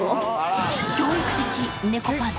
教育的猫パンチ。